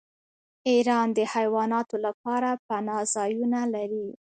ایران د حیواناتو لپاره پناه ځایونه لري.